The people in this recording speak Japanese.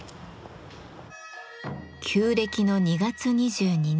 旧暦の２月２２日。